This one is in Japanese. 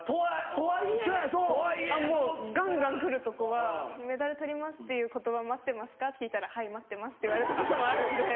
「とはいえとはいえ」。ガンガン来るとこは「『メダルとります！』っていう言葉待ってますか？」って聞いたら「はい待ってます」って言われたこともあるんで。